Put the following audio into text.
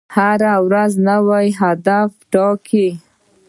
هره ورځ نوی هدف وټاکئ.